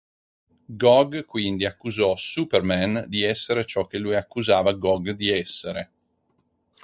Gog quindi accusò Superman di essere ciò che lui accusava Gog di essere.